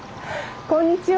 こんにちは。